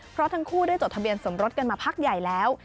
เพราะทั้งคู่ได้จดทะเบียนสมรสกันมาพักใหญ่แล้ว